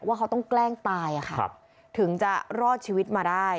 ว่าเขาต้องแกล้งตายถึงจะรอดชีวิตมาได้